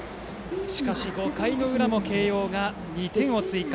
しかし、５回の裏も慶応が２点を追加。